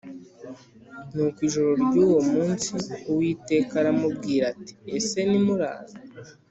Nuko ijoro ry uwo munsi Uwiteka aramubwira ati ese nimuraza